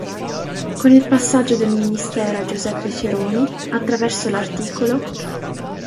Con il passaggio del ministero a Giuseppe Fioroni, attraverso l'art.